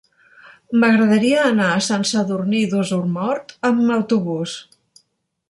M'agradaria anar a Sant Sadurní d'Osormort amb autobús.